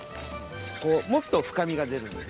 もっと深みが出るんで。